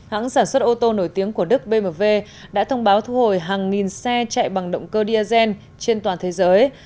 hãng sản xuất ô tô nổi tiếng của đức bmw đã thông báo thu hồi hàng nghìn xe chạy bằng động cơ diesel trên toàn thế giới